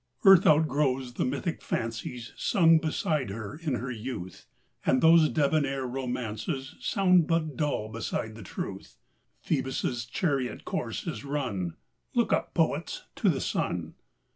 ARTH outgrows the mythic fancies Sung beside her in her youth ; And those debonair romances Sound but dull beside the truth. Phoebus' chariot course is run ! Look up, poets, to the sun